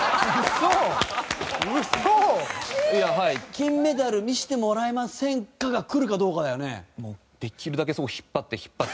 「金メダル見せてもらえませんか？」がくるかどうかだよね？